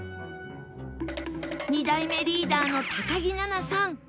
２代目リーダーの木菜那さん